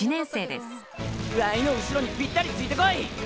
ワイの後ろにぴったりついてこい。